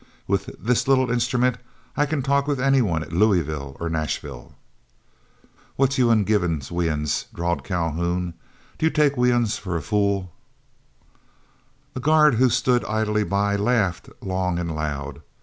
"With this little instrument, I can talk with any one at Louisville or Nashville." "What's yo uns givin' we uns," drawled Calhoun. "Do yo' take we uns fo' a fule?" A guard who stood idly by laughed long and loud.